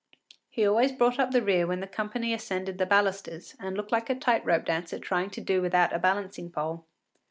He always brought up the rear when the company ascended the balusters, and looked like a tight rope dancer trying to do without a balancing pole.